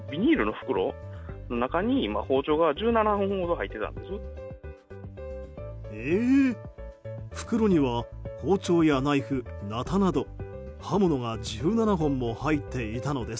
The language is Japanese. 袋には包丁やナイフナタなど刃物が１７本も入っていたのです。